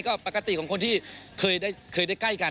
ก็ปกติของคนที่เคยได้ใกล้กัน